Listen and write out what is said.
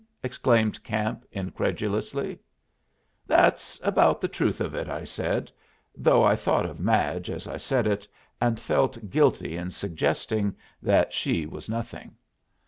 exclaimed Camp, incredulously. "That's about the truth of it," I said; though I thought of Madge as I said it, and felt guilty in suggesting that she was nothing.